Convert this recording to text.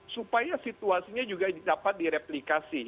supaya situasinya juga dapat direplikasi